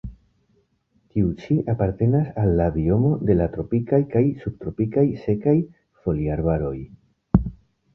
Tiu ĉi apartenas al la biomo de la tropikaj kaj subtropikaj sekaj foliarbaroj.